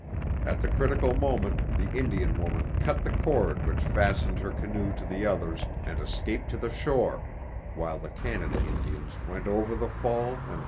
At the critical moment the Indian woman cut the cord which fastened her canoe to the others and escaped to the shore, while the Canada Indians went over the fall and were lost.